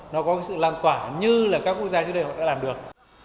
nó có một sự làm tỏa như là các quốc gia trước đây họ đã làm được